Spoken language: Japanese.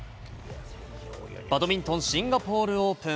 バドミントン、シンガポール・オープン。